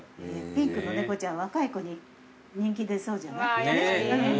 ピンクの猫ちゃん若い子に人気出そうじゃない？